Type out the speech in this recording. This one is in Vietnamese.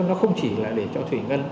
nó không chỉ là để cho thủy ngân